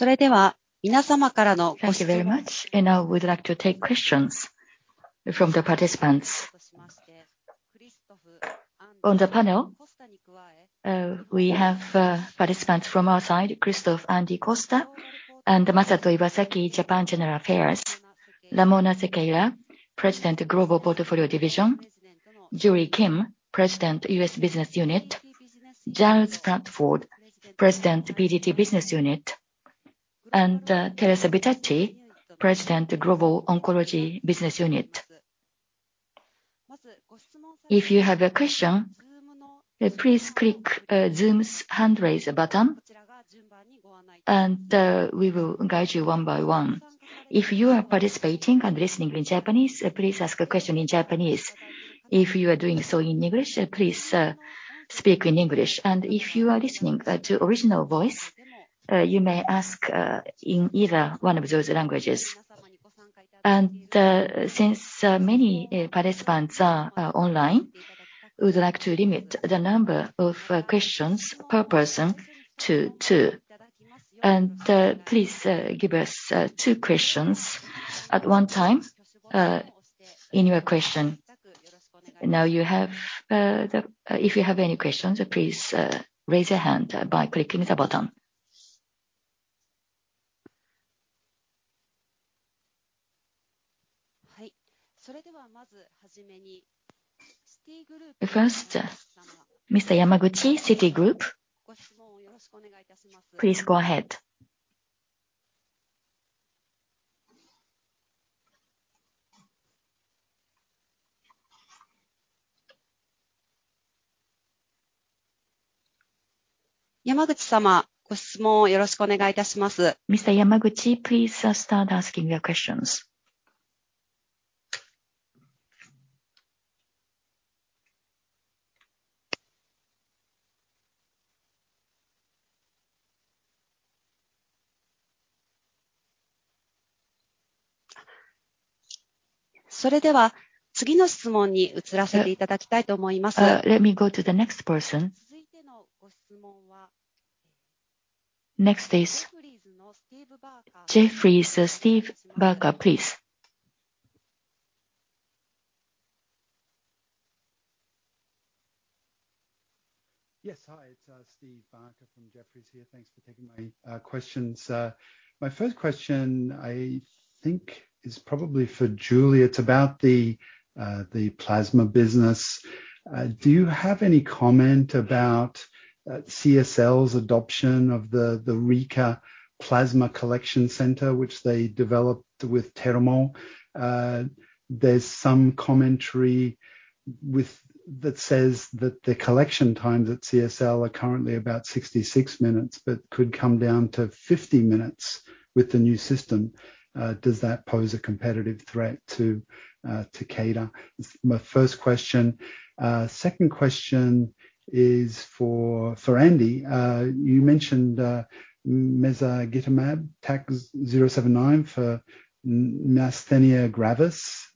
Thank you very much. Now we'd like to take questions from the participants. On the panel, we have participants from our side, Christophe, Andy Costa, and Masato Iwasaki, Japan General Affairs. Ramona Sequeira, President of Global Portfolio Division. Julie Kim, President, US Business Unit. Giles Platford, President, PDT Business Unit. Teresa Bitetti, President, Global Oncology Business Unit. If you have a question, please click Zoom's hand raise button, and we will guide you one by one. If you are participating and listening in Japanese, please ask a question in Japanese. If you are doing so in English, please speak in English. If you are listening to original voice, you may ask in either one of those languages. Since many participants are online, we would like to limit the number of questions per person to two. Please give us two questions at one time in your question. If you have any questions, please raise your hand by clicking the button. First, Mr. Yamaguchi, Citigroup. Please go ahead. Mr. Yamaguchi, please start asking your questions. Let me go to the next person. Next is Jefferies, Steve Barker, please. Yes. Hi, it's Stephen Barker from Jefferies here. Thanks for taking my questions. My first question, I think, is probably for Julie. It's about the plasma business. Do you have any comment about CSL's adoption of the Rika Plasma Donation System, which they developed with Terumo? There's some commentary that says that the collection times at CSL are currently about 66 minutes, but could come down to 50 minutes with the new system. Does that pose a competitive threat to Takeda? It's my first question. Second question is for Andy. You mentioned mezagitamab, TAK-079 for myasthenia gravis.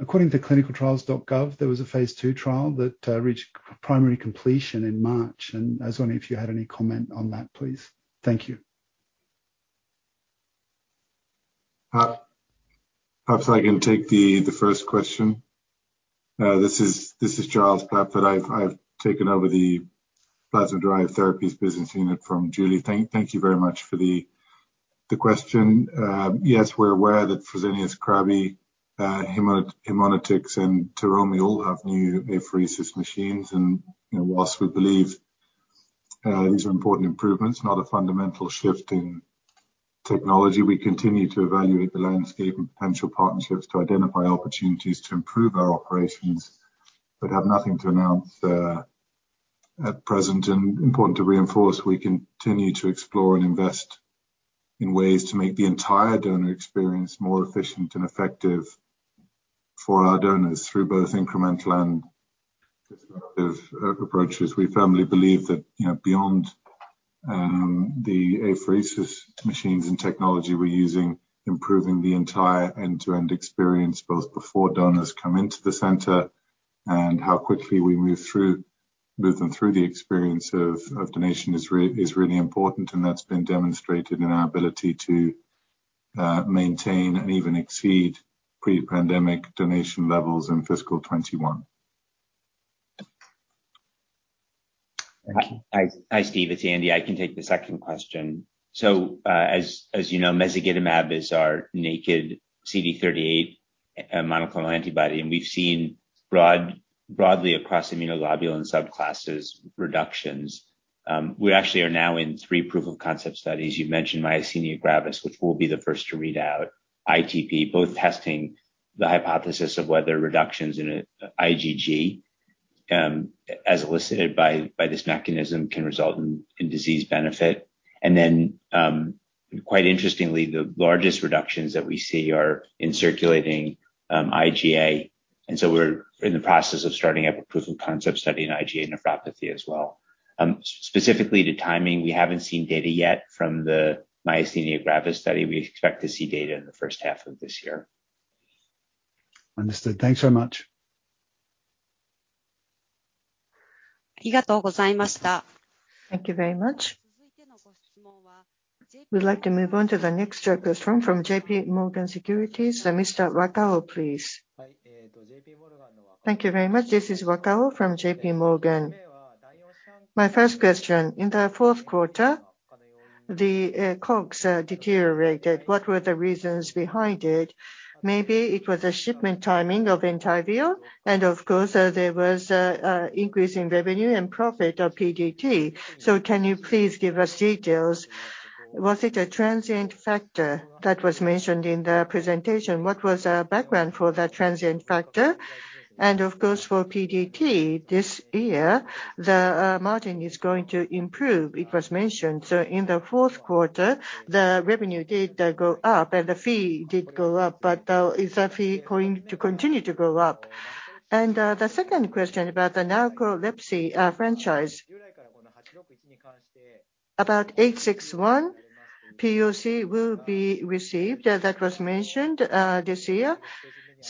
According to ClinicalTrials.gov, there was a phase two trial that reached primary completion in March, and I was wondering if you had any comment on that, please. Thank you. Perhaps I can take the first question. This is Giles Platford. I've taken over the Plasma-Derived Therapies Business Unit from Julie. Thank you very much for the question. Yes, we're aware that Fresenius Kabi, Haemonetics and Terumo all have new apheresis machines. You know, while we believe these are important improvements, not a fundamental shift in technology, we continue to evaluate the landscape and potential partnerships to identify opportunities to improve our operations, but have nothing to announce at present. Important to reinforce, we continue to explore and invest in ways to make the entire donor experience more efficient and effective for our donors through both incremental and disruptive approaches. We firmly believe that, you know, beyond the apheresis machines and technology we're using, improving the entire end-to-end experience, both before donors come into the center and how quickly we move them through the experience of donation is really important. That's been demonstrated in our ability to maintain and even exceed pre-pandemic donation levels in fiscal 2021. Thank you. Hi, Steve. It's Andy. I can take the second question. You know, mezagitamab is our naked CD38 monoclonal antibody, and we've seen broadly across immunoglobulin subclasses reductions. We actually are now in three proof of concept studies. You mentioned myasthenia gravis, which will be the first to read out, ITP, both testing the hypothesis of whether reductions in IgG as elicited by this mechanism can result in disease benefit. Quite interestingly, the largest reductions that we see are in circulating IgA. We're in the process of starting up a proof of concept study in IgA nephropathy as well. Specifically to timing, we haven't seen data yet from the myasthenia gravis study. We expect to see data in the first half of this year. Understood. Thanks so much. Thank you very much. We'd like to move on to the next question from JPMorgan Securities, Mr. Wakao, please. Thank you very much. This is Wakao from JPMorgan. My first question, in the fourth quarter, the COGS deteriorated. What were the reasons behind it? Maybe it was a shipment timing of Entyvio and of course, there was an increasing revenue and profit of PDT. Can you please give us details? Was it a transient factor that was mentioned in the presentation? What was background for that transient factor? And of course, for PDT this year, the margin is going to improve, it was mentioned. In the fourth quarter, the revenue did go up and the fee did go up, but is that fee going to continue to go up? The second question about the narcolepsy franchise. TAK-861 POC will be received, that was mentioned, this year.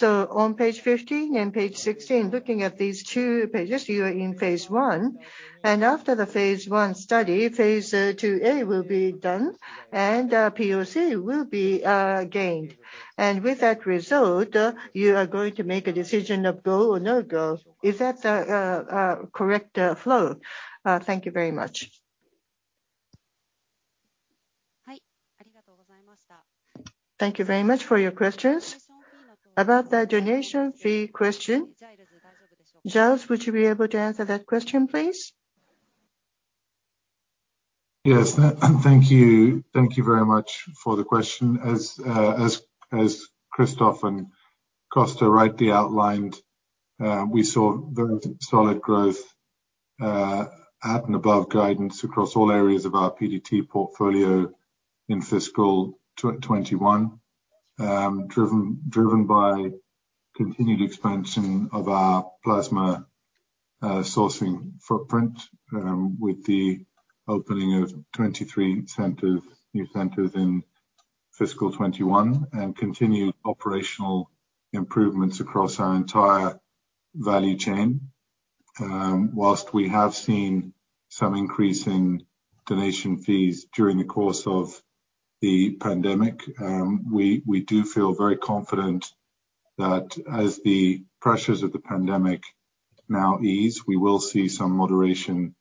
On page 15 and page 16, looking at these two pages, you are in phase one. After the phase one study, phase two A will be done and POC will be gained. With that result, you are going to make a decision of go or no go. Is that the correct flow? Thank you very much. Thank you very much for your questions. About the donation fee question, Giles, would you be able to answer that question, please? Yes. Thank you. Thank you very much for the question. As Christophe and Costa rightly outlined, we saw very solid growth at and above guidance across all areas of our PDT portfolio in fiscal 2021, driven by continued expansion of our plasma sourcing footprint with the opening of 23 new centers in fiscal 2021, and continued operational improvements across our entire value chain. While we have seen some increase in donation fees during the course of the pandemic, we do feel very confident that as the pressures of the pandemic now ease, we will see some moderation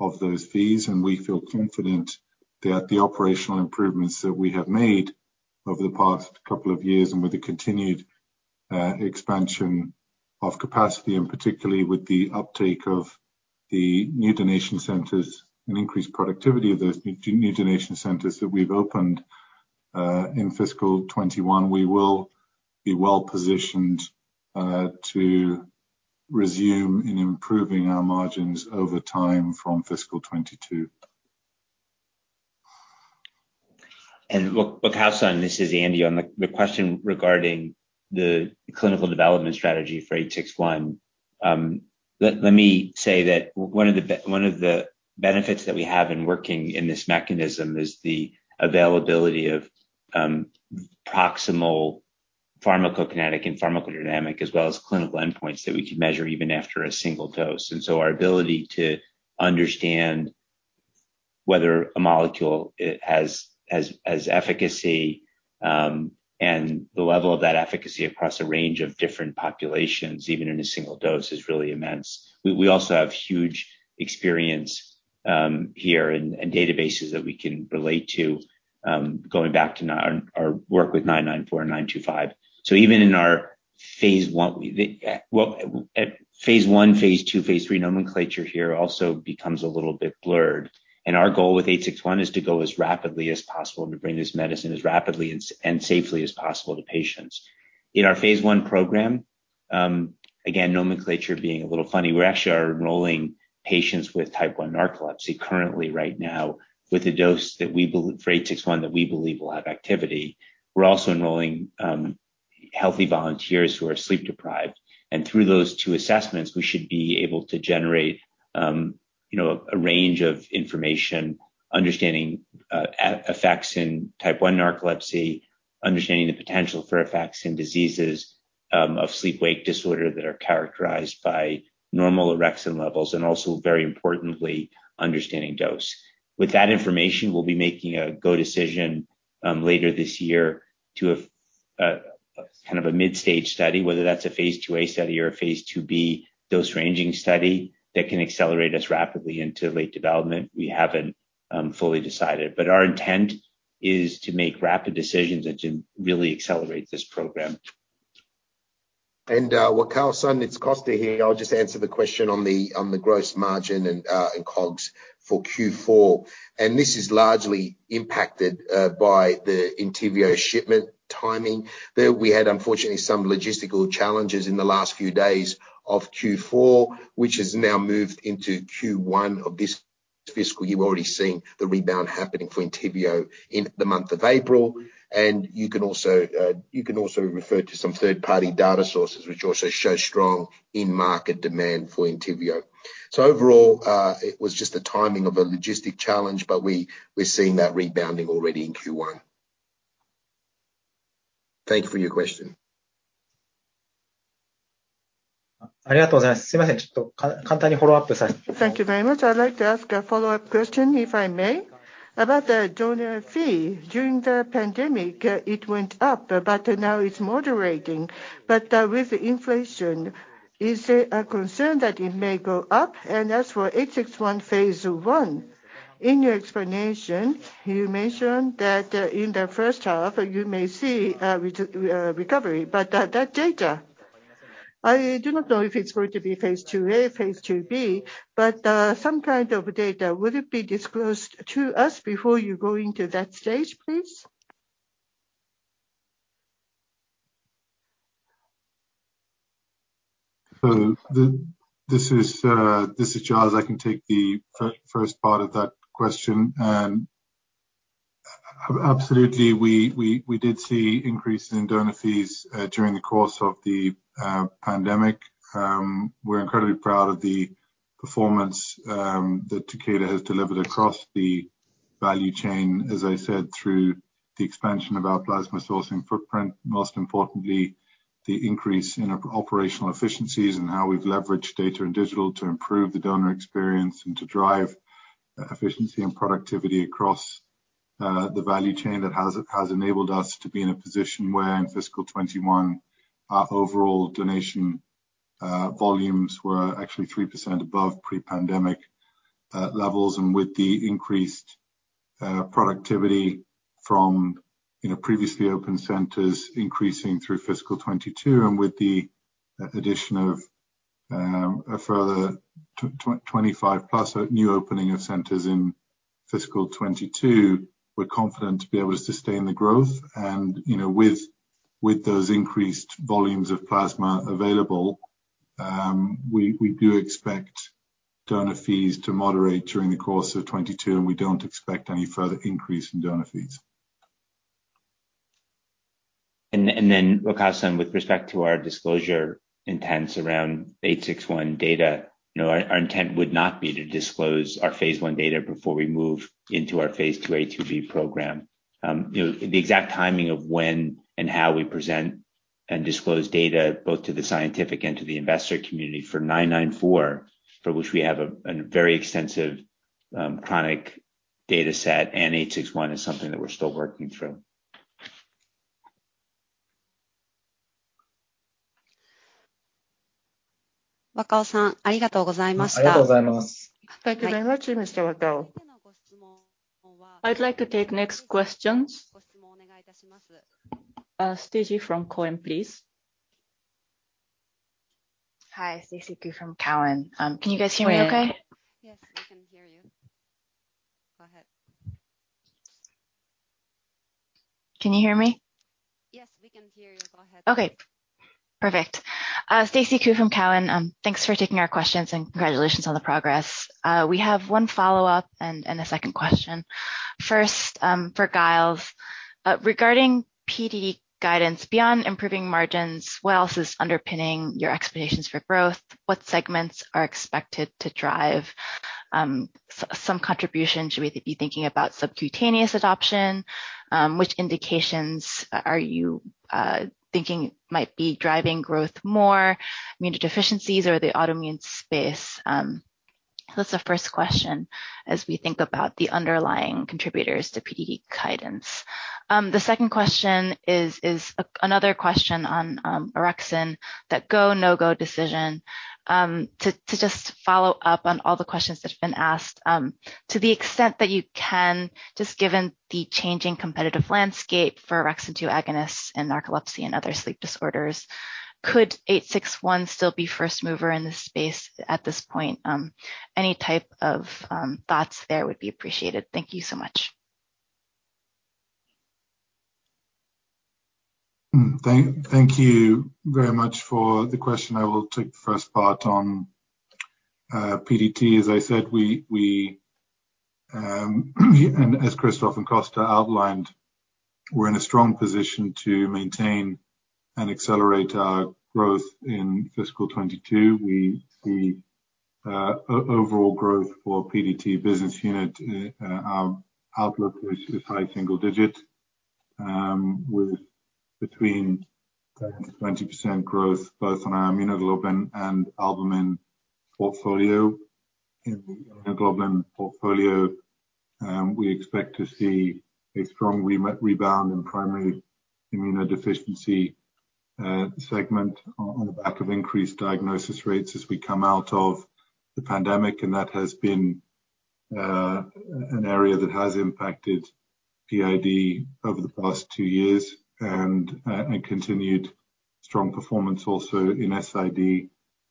of those fees. We feel confident that the operational improvements that we have made over the past couple of years and with the continued expansion of capacity, and particularly with the uptake of the new donation centers and increased productivity of those new donation centers that we've opened in fiscal 21, we will be well-positioned to resume in improving our margins over time from fiscal 22. Wakao-san, this is Andy. On the question regarding the clinical development strategy for TAK-861, let me say that one of the benefits that we have in working in this mechanism is the availability of proximal pharmacokinetic and pharmacodynamic, as well as clinical endpoints that we can measure even after a single dose. Our ability to understand whether a molecule it has efficacy and the level of that efficacy across a range of different populations, even in a single dose, is really immense. We also have huge experience here and databases that we can relate to, going back to our work with TAK-994, TAK-925. Even in our phase I, the phase I, phase II, phase III nomenclature here also becomes a little bit blurred. Our goal with TAK-861 is to go as rapidly as possible and to bring this medicine as rapidly and safely as possible to patients. In our phase I program, again, nomenclature being a little funny. We actually are enrolling patients with type 1 narcolepsy currently right now with a dose for TAK-861 that we believe will have activity. We're also enrolling healthy volunteers who are sleep deprived. Through those two assessments, we should be able to generate a range of information, understanding effects in type 1 narcolepsy, understanding the potential for effects in diseases of sleep wake disorder that are characterized by normal orexin levels, and also, very importantly, understanding dose. With that information, we'll be making a go decision later this year to a kind of a mid-stage study, whether that's a phase IIa study or a phase IIb dose ranging study that can accelerate us rapidly into late development. We haven't fully decided. Our intent is to make rapid decisions and to really accelerate this program. Wakao-san, it's Costa here. I'll just answer the question on the gross margin and COGS for Q4. This is largely impacted by the Entyvio shipment timing. There we had, unfortunately, some logistical challenges in the last few days of Q4, which has now moved into Q1 of this fiscal. You've already seen the rebound happening for Entyvio in the month of April. You can also refer to some third-party data sources which also show strong in-market demand for Entyvio. Overall, it was just the timing of a logistical challenge, but we're seeing that rebounding already in Q1. Thank you for your question. Thank you very much. I'd like to ask a follow-up question, if I may. About the donor fee. During the pandemic, it went up, but now it's moderating. With inflation, is there a concern that it may go up? As for 861 phase I, in your explanation, you mentioned that, in the first half, you may see recovery. That data, I do not know if it's going to be phase II-A, phase II-B, but some kind of data, will it be disclosed to us before you go into that stage, please? This is Giles. I can take the first part of that question. Absolutely, we did see increase in donor fees during the course of the pandemic. We're incredibly proud of the performance that Takeda has delivered across the value chain, as I said, through the expansion of our plasma sourcing footprint. Most importantly, the increase in operational efficiencies and how we've leveraged data and digital to improve the donor experience and to drive efficiency and productivity across the value chain that has enabled us to be in a position where in fiscal 2021, our overall donation volumes were actually 3% above pre-pandemic levels. With the increased productivity from, you know, previously open centers increasing through fiscal 2022 and with the addition of a further 25+ new opening of centers in fiscal 2022, we're confident to be able to sustain the growth. You know, with those increased volumes of plasma available, we do expect donor fees to moderate during the course of 2022, and we don't expect any further increase in donor fees. Wakao-san, with respect to our disclosure intents around TAK 861 data, you know, our intent would not be to disclose our phase I data before we move into our phase IIa, IIb program. You know, the exact timing of when and how we present and disclose data, both to the scientific and to the investor community forTAK- 994, for which we have a very extensive chronic data set and is something that we're still working through. Wakao-san, Thank you very much, Mr. Wakao. I'd like to take next questions. Stacy from Cowen, please. Hi, Stacy Ku from Cowen. Can you guys hear me okay? Yes, we can hear you. Go ahead. Can you hear me? Yes, we can hear you. Go ahead. Okay, perfect. Stacy Ku from Cowen. Thanks for taking our questions, and congratulations on the progress. We have one follow-up and a second question. First, for Giles. Regarding PD guidance, beyond improving margins, what else is underpinning your expectations for growth? What segments are expected to drive some contribution? Should we be thinking about subcutaneous adoption? Which indications are you thinking might be driving growth more, immunodeficiencies or the autoimmune space? That's the first question as we think about the underlying contributors to PD guidance. The second question is another question on orexin, that go, no-go decision. To just follow up on all the questions that have been asked, to the extent that you can, just given the changing competitive landscape for orexin-2 agonists in narcolepsy and other sleep disorders, could TAK-861 still be first mover in this space at this point? Any type of thoughts there would be appreciated. Thank you so much. Thank you very much for the question. I will take the first part on PDT. As I said, and as Christophe and Costa outlined, we're in a strong position to maintain and accelerate our growth in fiscal 2022. We see overall growth for PDT business unit. Our outlook is high single digit, with between 10%-20% growth both on our immunoglobulin and albumin portfolio. In the immunoglobulin portfolio, we expect to see a strong rebound in primary immunodeficiency segment on the back of increased diagnosis rates as we come out of the pandemic, and that has been an area that has impacted PID over the past two years. Continued strong performance also in SID,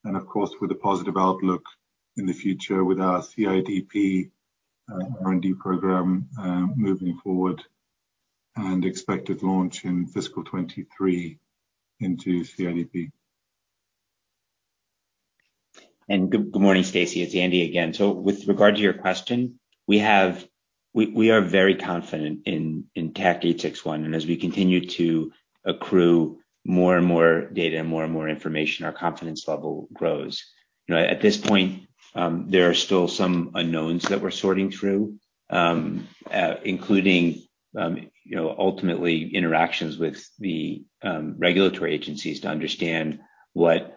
and of course, with a positive outlook in the future with our CIDP R&D program moving forward and expected launch in fiscal 2023 into CIDP. Good morning, Stacy. It's Andy again. With regard to your question, we are very confident in TAK-861. As we continue to accrue more and more data and more and more information, our confidence level grows. You know, at this point, there are still some unknowns that we're sorting through, including you know, ultimately interactions with the regulatory agencies to understand what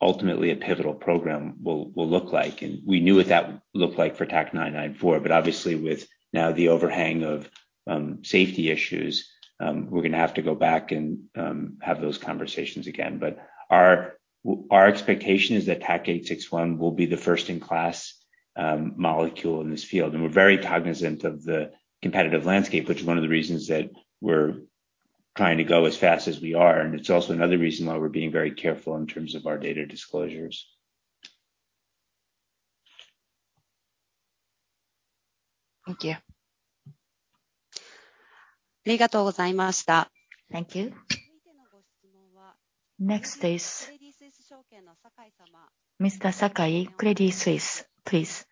ultimately a pivotal program will look like. We knew what that looked like for TAK-994, but obviously with now the overhang of safety issues, we're gonna have to go back and have those conversations again. Our expectation is that TAK-861 will be the first in class molecule in this field. We're very cognizant of the competitive landscape, which is one of the reasons that we're trying to go as fast as we are, and it's also another reason why we're being very careful in terms of our data disclosures. Thank you. Next is Mr. Sakai, Credit Suisse, please.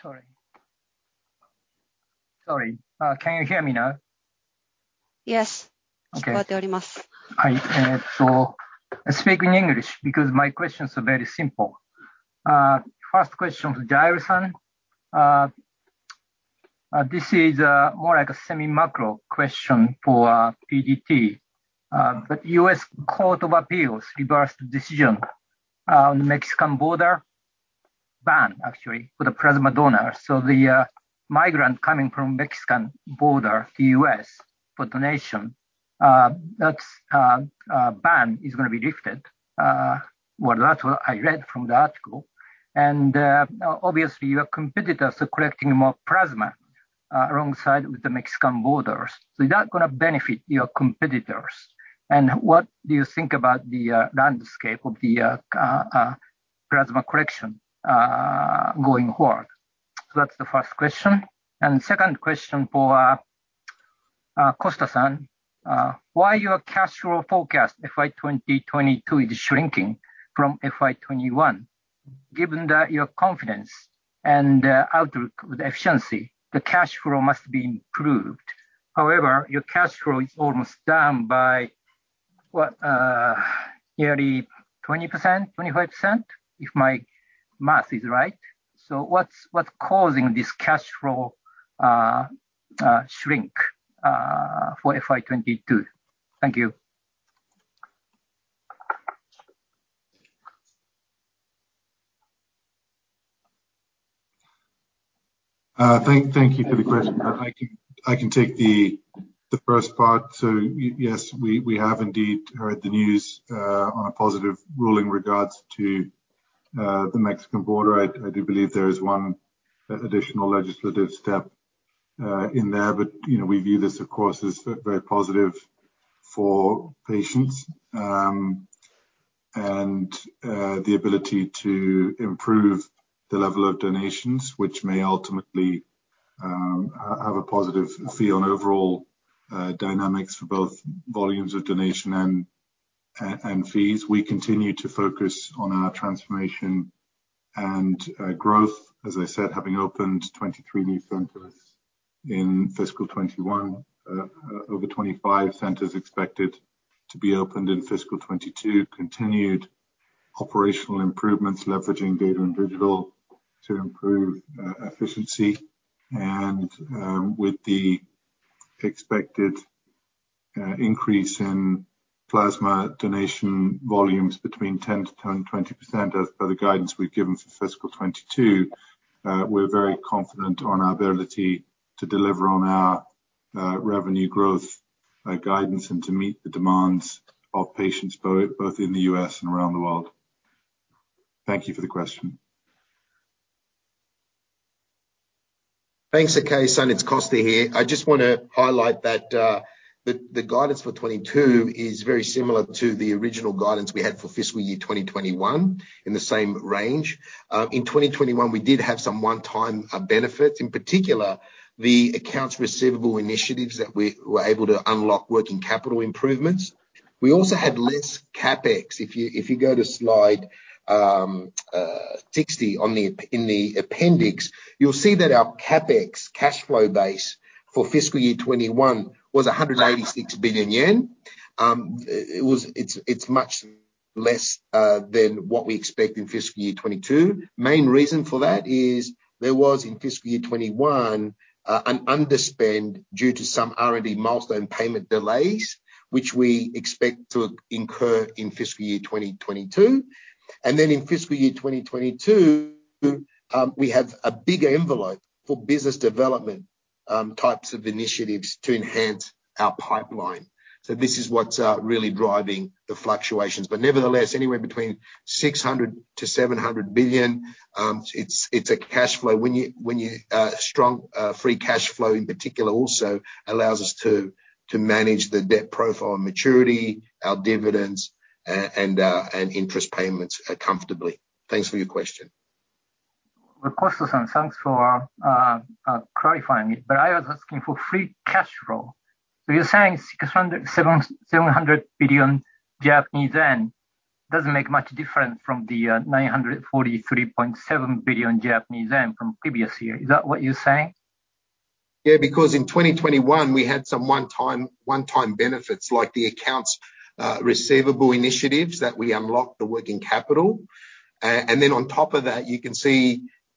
Sorry. Sorry, can you hear me now? Yes. Okay. I speak in English because my questions are very simple. First question to Giles, this is more like a semi macro question for PDT. U.S. Court of Appeals reversed the decision on the Mexican border ban, actually, for the plasma donors. The migrant coming from Mexican border to U.S. for donation, that ban is gonna be lifted. Well, that's what I read from the article. Obviously your competitors are collecting more plasma alongside with the Mexican borders. Is that gonna benefit your competitors? What do you think about the landscape of the plasma collection going forward? That's the first question. Second question for Costa, why your cash flow forecast FY 2022 is shrinking from FY 2021? Given that your confidence and outlook with efficiency, the cash flow must be improved. However, your cash flow is almost down by what? Yearly 20%-25%, if my math is right. What's causing this cash flow shrink for FY 2022? Thank you. Thank you for the question. I can take the first part. Yes, we have indeed heard the news on a positive ruling regarding the Mexican border. I do believe there is one additional legislative step in there, but you know, we view this, of course, as very positive for patients and the ability to improve the level of donations, which may ultimately have a positive effect on overall dynamics for both volumes of donation and fees. We continue to focus on our transformation and growth, as I said, having opened 23 new centers in fiscal 2021. Over 25 centers expected to be opened in fiscal 2022. Continued operational improvements, leveraging data and digital to improve efficiency. With the expected increase in plasma donation volumes between 10%-20%, as per the guidance we've given for fiscal 2022, we're very confident on our ability to deliver on our revenue growth guidance and to meet the demands of patients both in the U.S. and around the world. Thank you for the question. Thanks, Sakai-san. It's Costa here. I just wanna highlight that the guidance for 2022 is very similar to the original guidance we had for fiscal year 2021, in the same range. In 2021, we did have some one-time benefits, in particular, the accounts receivable initiatives that we were able to unlock working capital improvements. We also had less CapEx. If you go to slide 60 in the appendix, you'll see that our CapEx cash flow base for fiscal year 2021 was 186 billion yen. It's much less than what we expect in fiscal year 2022. Main reason for that is there was in fiscal year 2021 an underspend due to some R&D milestone payment delays, which we expect to incur in fiscal year 2022. In fiscal year 2022, we have a bigger envelope for business development types of initiatives to enhance our pipeline. This is what's really driving the fluctuations. Nevertheless, anywhere between 600-700 billion, it's a cash flow. When you have strong free cash flow in particular also allows us to manage the debt profile and maturity, our dividends and interest payments comfortably. Thanks for your question. Costa, thanks for clarifying it, but I was asking for free cash flow. You're saying 600 billion-700 billion Japanese yen doesn't make much difference from the 943.7 billion Japanese yen from previous year. Is that what you're saying? Yeah, because in 2021 we had some one-time benefits, like the accounts receivable initiatives that we unlocked the working capital. On top of that, you can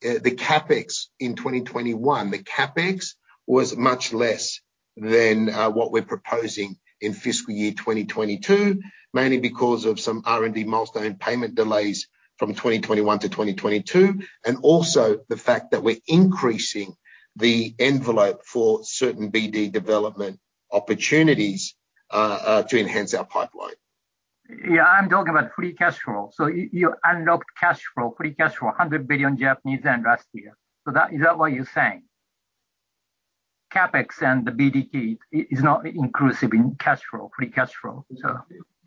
see the CapEx in 2021. The CapEx was much less than what we're proposing in fiscal year 2022, mainly because of some R&D milestone payment delays from 2021 to 2022, and also the fact that we're increasing the envelope for certain BD development opportunities to enhance our pipeline. Yeah. I'm talking about free cash flow. You unlocked cash flow, free cash flow, 100 billion Japanese yen last year. That. Is that what you're saying? CapEx and the BD is not inclusive in cash flow, free cash flow.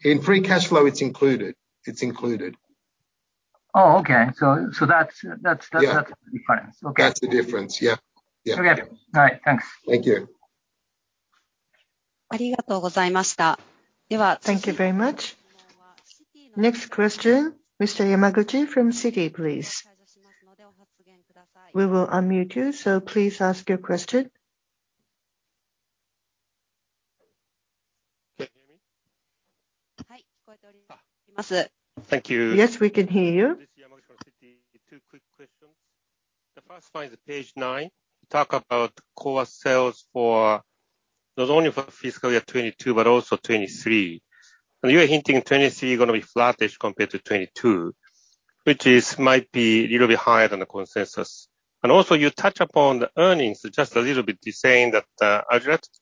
In free cash flow, it's included. Oh, okay. That's Yeah. the difference. Okay. That's the difference. Yeah. Yeah. Okay. All right. Thanks. Thank you. Thank you very much. Next question, Mr. Yamaguchi from Citi, please. We will unmute you, so please ask your question. Can you hear me? Yes, we can hear you. This is Yamaguchi from Citi. 2 quick questions. The first one is page 9. You talk about core sales not only for fiscal year 2022 but also 2023. You're hinting 2023 gonna be flattish compared to 2022, which might be a little bit higher than the consensus. You also touch upon the earnings just a little bit. You're saying that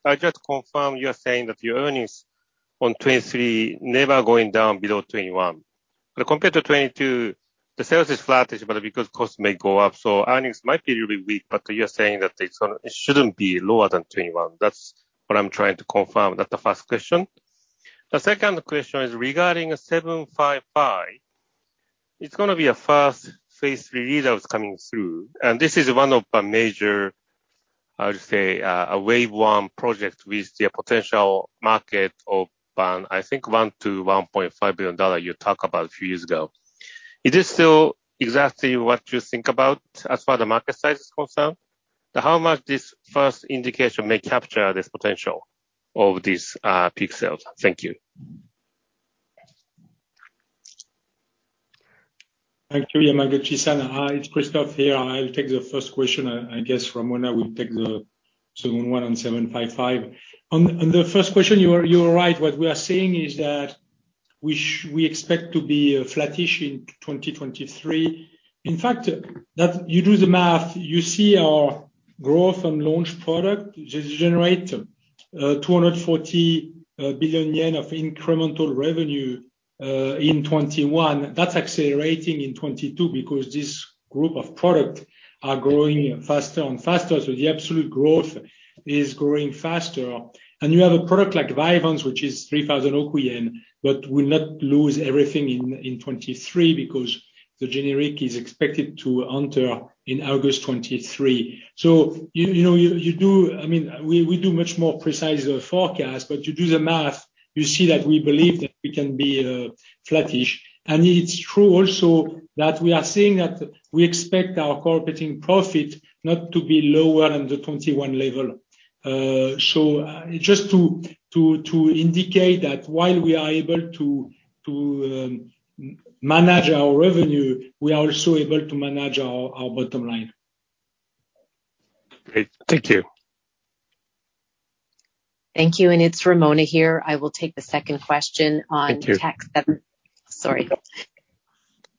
I just confirm you are saying that your earnings for 2023 never going down below 2021. Compared to 2022, the sales is flattish, but because costs may go up, so earnings might be really weak, but you're saying that it's gonna. It shouldn't be lower than 2021. That's what I'm trying to confirm. That's the first question. The second question is regarding TAK-755. It's gonna be a first phase III readout coming through, and this is one of the major, how to say, a wave one project with the potential market of, I think $1-$1.5 billion you talk about a few years ago. It is still exactly what you think about as far as the market size is concerned? How much this first indication may capture this potential of this, peak sales? Thank you. Thank you, Yamaguchi-san. Hi, it's Christophe here. I'll take the first question. I guess Ramona will take the second one on TAK-755. On the first question, you are right. What we are saying is that we expect to be flattish in 2023. In fact, you do the math. You see our growth on launched product just generate 240 billion yen of incremental revenue in 2021. That's accelerating in 2022 because this group of product are growing faster and faster, so the absolute growth is growing faster. You have a product like Vyvanse, which is 3,000 oku yen, but will not lose everything in 2023 because the generic is expected to enter in August 2023. You know, you do. I mean, we do much more precise forecast. You do the math, you see that we believe that we can be flattish. It's true also that we are seeing that we expect our core profit not to be lower than the 2021 level. So, just to indicate that while we are able to manage our revenue, we are also able to manage our bottom line. Great. Thank you. Thank you. It's Ramona here. I will take the second question on- Thank you. Sorry.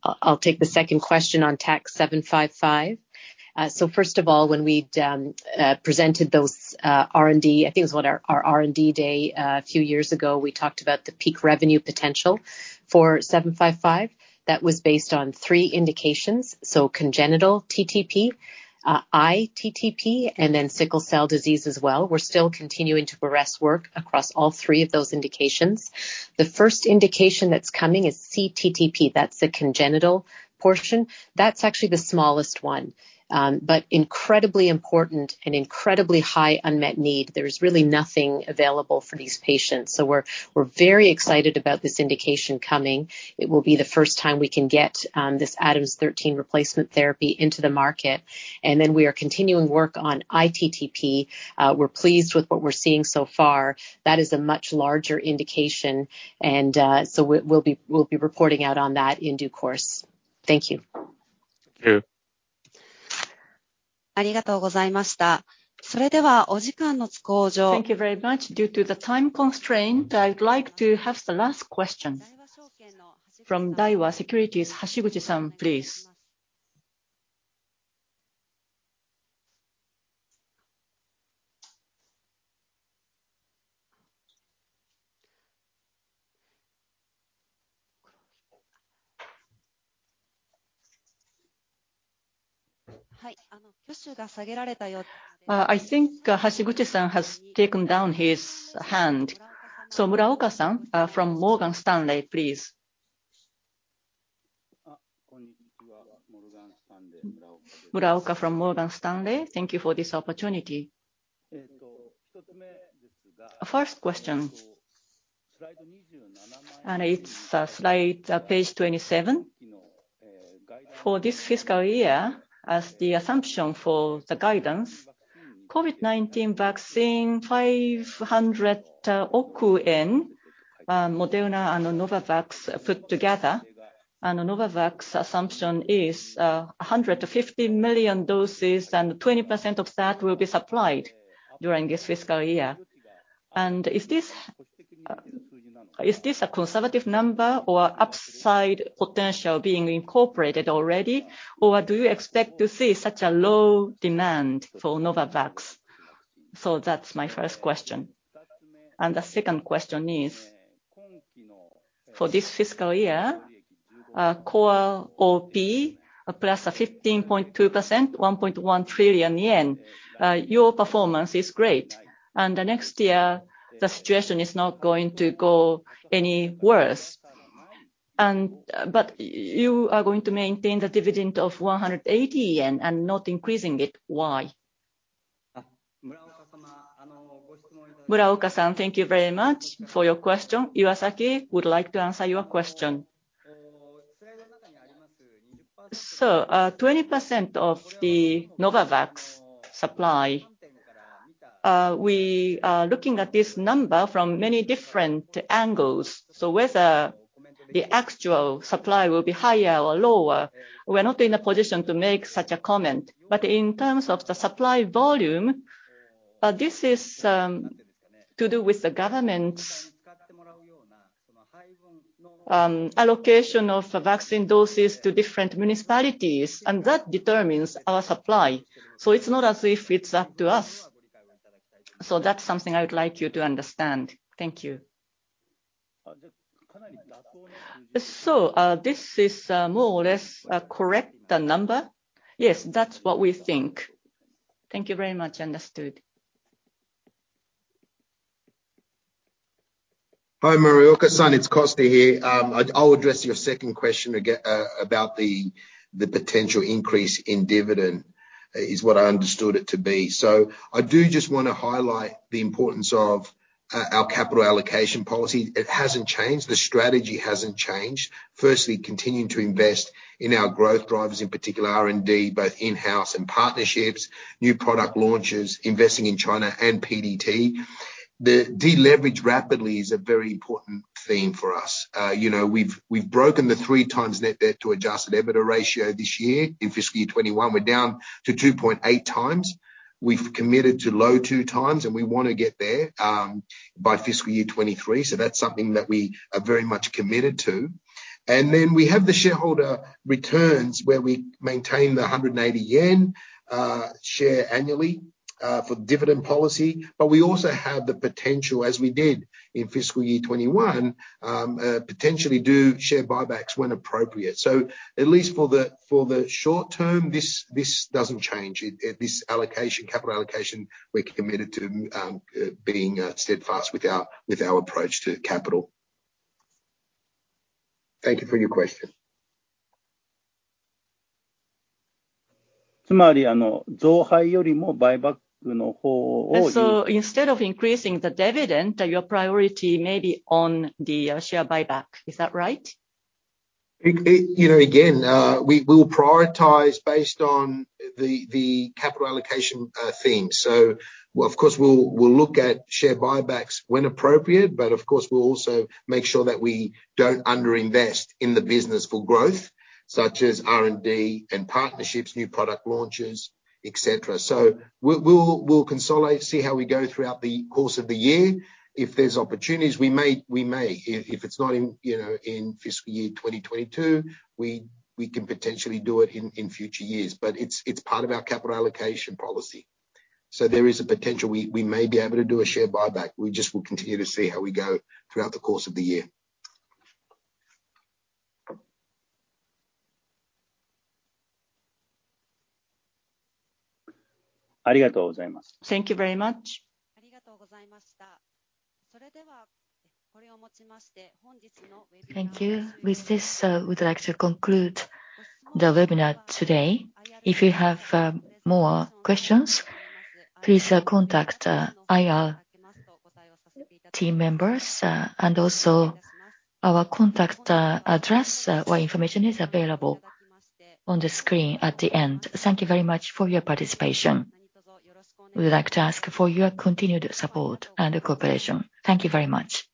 I'll take the second question on TAK-755. First of all, when we had presented those R&D, I think it was on our R&D day a few years ago, we talked about the peak revenue potential for TAK-755. That was based on three indications, so congenital TTP, iTTP, and then sickle cell disease as well. We're still continuing to progress work across all three of those indications. The first indication that's coming is cTTP. That's the congenital portion. That's actually the smallest one. But incredibly important and incredibly high unmet need. There's really nothing available for these patients. We're very excited about this indication coming. It will be the first time we can get this ADAMTS13 replacement therapy into the market. Then we are continuing work on iTTP. We're pleased with what we're seeing so far. That is a much larger indication, so we'll be reporting out on that in due course. Thank you. Thank you. Thank you very much. Due to the time constraint, I would like to have the last question from Daiwa Securities, Hashiguchi San, please. I think, Hashiguchi San has taken down his hand. Muraoka-san, from Morgan Stanley, please. Uh, Muraoka from Morgan Stanley, thank you for this opportunity. First question, it's page 27. For this fiscal year, as the assumption for the guidance, COVID-19 vaccine 500 oku yen in Moderna and Novavax put together. Novavax assumption is 150 million doses, and 20% of that will be supplied during this fiscal year. Is this a conservative number or upside potential being incorporated already? Or do you expect to see such a low demand for Novavax? So that's my first question. The second question is, for this fiscal year, core OP plus 15.2%, 1.1 trillion yen. Your performance is great. The next year, the situation is not going to go any worse, but you are going to maintain the dividend of 180 yen and not increasing it. Why? Muraoka-san, thank you very much for your question. Iwasaki would like to answer your question. 20% of the Novavax supply, we are looking at this number from many different angles. Whether the actual supply will be higher or lower, we're not in a position to make such a comment. In terms of the supply volume, this is to do with the government's allocation of vaccine doses to different municipalities, and that determines our supply. It's not as if it's up to us. That's something I would like you to understand. Thank you. This is more or less a correct number? Yes, that's what we think. Thank you very much. Understood. Hi, Muraoka-san, it's Costa here. I'll address your second question about the potential increase in dividend, is what I understood it to be. I do just want to highlight the importance of our capital allocation policy. It hasn't changed. The strategy hasn't changed. Firstly, continuing to invest in our growth drivers, in particular R&D, both in-house and partnerships, new product launches, investing in China and PDT. The de-leverage rapidly is a very important theme for us. You know, we've broken the 3x net debt to adjusted EBITDA ratio this year. In fiscal year 2021, we're down to 2.8x. We've committed to low 2x, and we wanna get there by fiscal year 2023. That's something that we are very much committed to. We have the shareholder returns, where we maintain 180 yen per share annually for dividend policy. We also have the potential, as we did in fiscal year 2021, to potentially do share buybacks when appropriate. At least for the short term, this doesn't change. This capital allocation, we're committed to being steadfast with our approach to capital. Thank you for your question. Instead of increasing the dividend, your priority may be on the share buyback. Is that right? You know, again, we will prioritize based on the capital allocation theme. Of course, we'll look at share buybacks when appropriate. Of course, we'll also make sure that we don't under-invest in the business for growth, such as R&D and partnerships, new product launches, et cetera. We'll see how we go throughout the course of the year. If there's opportunities, we may. If it's not in, you know, in fiscal year 2022, we can potentially do it in future years. It's part of our capital allocation policy. There is a potential we may be able to do a share buyback. We just will continue to see how we go throughout the course of the year. Thank you very much. Thank you. With this, we'd like to conclude the webinar today. If you have more questions, please contact IR team members and also our contact address. Our information is available on the screen at the end. Thank you very much for your participation. We'd like to ask for your continued support and cooperation. Thank you very much.